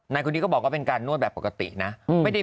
นายคนนี้ก็บอกว่าเป็นการนวดแบบปกตินะ